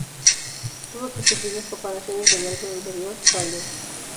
Tuvo que sufrir las comparaciones del álbum anterior, "Thriller".